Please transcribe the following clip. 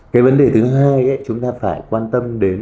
cái vấn đề thứ hai chúng ta phải quan tâm đến